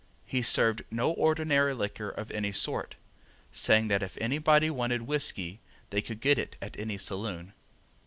He served no ordinary liquor of any sort, saying that if anybody wanted whiskey they could get it at any saloon.